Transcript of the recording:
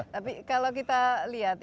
tapi kalau kita lihat